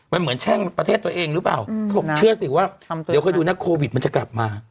มันเหมือนแช่งประเทศตัวเองหรือเปล่าเขาบอกเชื่อสิว่าเดี๋ยวค่อยดูนะโควิดมันจะกลับมา